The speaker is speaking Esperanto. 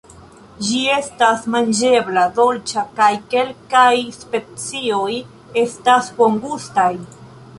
Ĝi estas manĝebla, dolĉa kaj kelkaj specioj estas bongustaj.